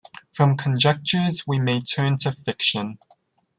From conjectures we may turn to fiction.